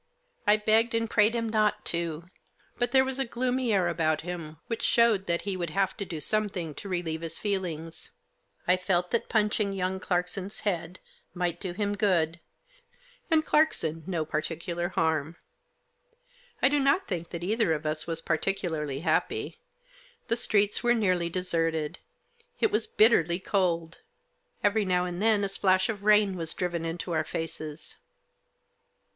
I begged and prayed him not to, but there was a gloomy air about him which showed that he would have to do something to relieve his feelings. I felt that punching young Clarkson's head might do him good — and Clarkson no particular harm. I do not think that either of us was particularly happy The streets were nearly deserted. It was bitterly cold. Every now and then a splash of rain was driven into our faces.